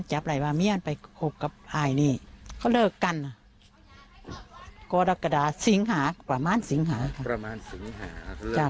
ก็เลิกกันก็ละกระดาษสิงหาประมาณสิงหา